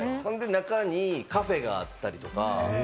中にカフェがあったりとか。